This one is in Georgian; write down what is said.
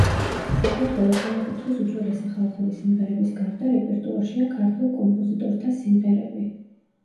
საქართველო ყველა კუთხის უძველესი ხალხური სიმღერების გარდა რეპერტუარშია ქართველ კომპოზიტორთა სიმღერები.